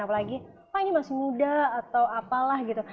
apalagi pak ini masih muda atau apalah gitu